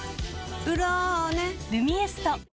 「ブローネ」「ルミエスト」